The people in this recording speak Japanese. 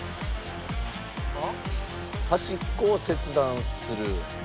端っこを切断する。